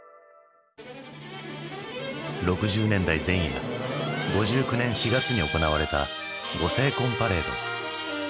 ６０年代前夜５９年４月に行われたご成婚パレード。